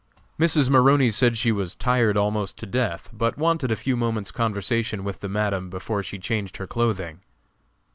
Mrs. Maroney said she was tired almost to death, but wanted a few moments' conversation with the Madam before she changed her clothing.